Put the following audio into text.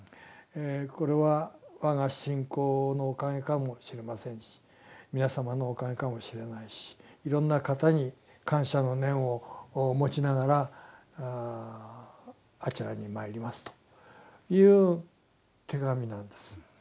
これは我が信仰のおかげかもしれませんし皆さまのおかげかもしれないしいろんな方に感謝の念を持ちながらあちらに参りますという手紙なんです。